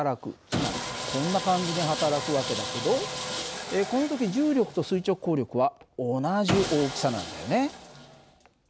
つまりこんな感じに働く訳だけどこの時重力と垂直抗力は同じ大きさなんだよね。